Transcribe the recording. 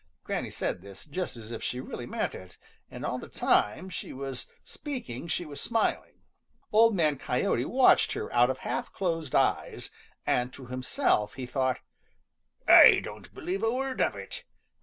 Granny said this just as if she really meant it, and all the time she was speaking she was smiling. Old Man Coyote watched her out of half closed eyes and to himself he thought: "I don't believe a word of it.